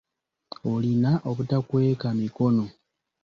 Olina obutakweka mikono.